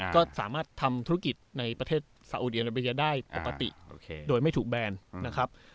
ก็สามารถทำธุรกิจในประเทศซาอุกยกเลิกได้ปกติโดยไม่ถูกแบรนด์นะครับ